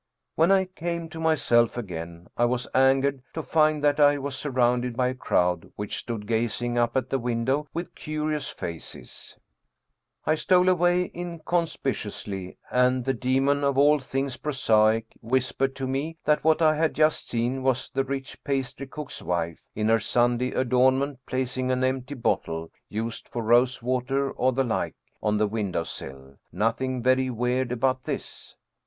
When I came to myself again, I was angered to find that I was surrounded by a crowd which stood gazing up at the window with curious faces. I stole 135 German Mystery Stories away inconspicuously, and the demon of all things prosaic whispered to me that what I had just seen was the rich pastry cook's wife, in her Sunday adornment, placing an empty bottle, used for rose water or the like, on the window sill. Nothing very weird about this.